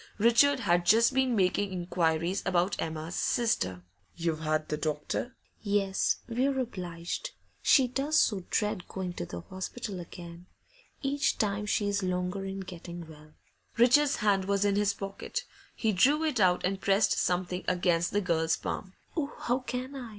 Richard had just been making inquiries about Emma's sister. 'You've had the doctor?' 'Yes, we're obliged; she does so dread going to the hospital again. Each time she's longer in getting well.' Richard's hand was in his pocket; he drew it out and pressed something against the girl's palm. 'Oh, how can I?